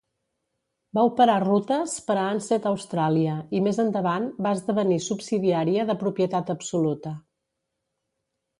Va operar rutes per a Ansett Australia i, més endavant, va esdevenir subsidiària de propietat absoluta.